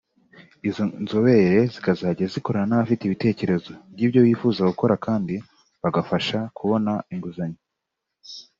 Izo nzobere zikazajya zikorana n’abafite ibitekerezo by’ibyo bifuza gukora kandi bagafasha kubona inguzanyo